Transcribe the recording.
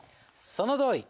そのとおり！